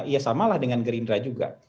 ya samalah dengan gerindra juga